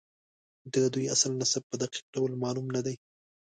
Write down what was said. د دوی اصل نسب په دقیق ډول معلوم نه دی.